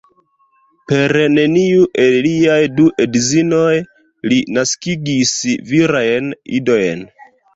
Per neniu el liaj du edzinoj li naskigis virajn idojn.